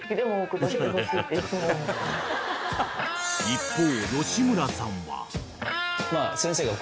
［一方］